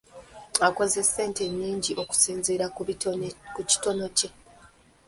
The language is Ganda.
Akoze ssente nnyingi okusinzira ku kitone kye.